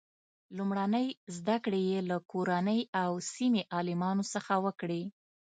لومړنۍ زده کړې یې له کورنۍ او سیمې عالمانو څخه وکړې.